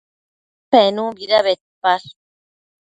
Penunbida bedpash?